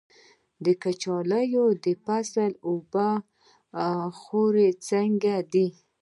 د کچالو د فصل اوبه خور څنګه دی؟